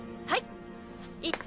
はい。